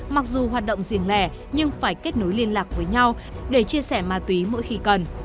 mặc dù hoạt động riêng lẻ nhưng phải kết nối liên lạc với nhau để chia sẻ ma túy mỗi khi cần